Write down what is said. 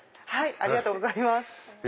ありがとうございます。